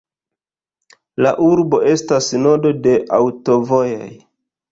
La urbo estas nodo de aŭtovojoj.